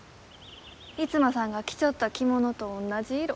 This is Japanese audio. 逸馬さんが着ちょった着物と同じ色。